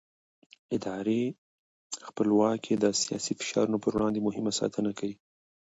اداري خپلواکي د سیاسي فشارونو پر وړاندې مهمه ساتنه ده